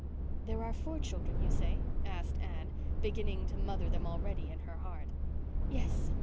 "There are four children, you say?" asked Anne, beginning to mother them already in her heart. "Yes.